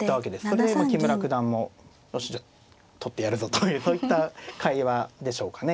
それで木村九段もよしじゃあ取ってやるぞというそういった会話でしょうかね